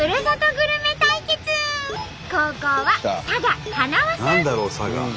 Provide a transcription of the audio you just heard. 後攻は佐賀はなわさん！